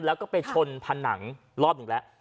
แล้วก็ไปชนผนังรอบหนึ่งแล้ว